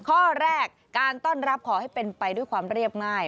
ข้อแรกการต้อนรับขอให้เป็นไปด้วยความเรียบง่าย